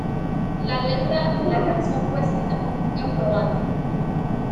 La letra de la canción fue escrita por Luca Prodan.